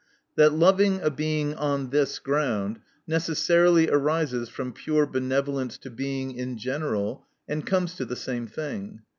That loving a Being on this ground necessarily arises from pure benev olence to Being in general, and comes to the same thing.